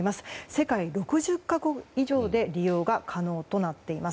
世界６０か国以上で利用が可能となっています。